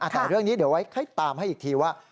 แต่เรื่องนี้เดี๋ยวไว้ให้ตามให้อีกทีว่า